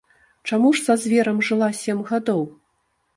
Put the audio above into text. Чаму ж са зверам жыла сем гадоў?